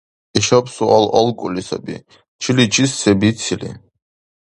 Ишаб суал алкӀули саби: чили чис се бицили?